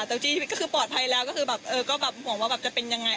แต่ที่ก็คือปลอดภัยแล้วก็คือแบบเออก็แบบห่วงว่าแบบจะเป็นยังไง